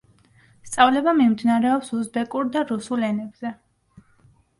სწავლება მიმდინარეობს უზბეკურ და რუსულ ენებზე.